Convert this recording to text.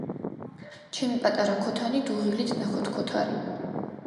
ჩემი პატარა ქოთანი დუღილით ნაქოთქოთარი